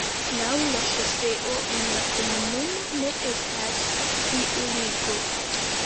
Laŭ la ŝoseo en la komunumo ne estas iu ligo.